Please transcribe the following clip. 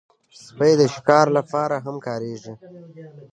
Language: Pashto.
سپي د شکار لپاره هم کارېږي.